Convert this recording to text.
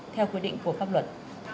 theo quy định của pháp luật